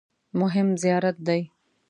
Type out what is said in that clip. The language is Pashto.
مهم زیارت دی.